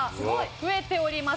増えております。